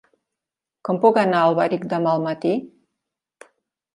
Com puc anar a Alberic demà al matí?